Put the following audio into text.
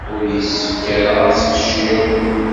Ur yessefk ara ad tfeclem.